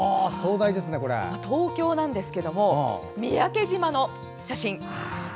東京なんですけど三宅島の写真。